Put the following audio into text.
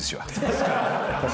確かに。